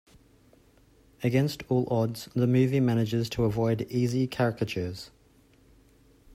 Against all odds, the movie manages to avoid easy caricatures.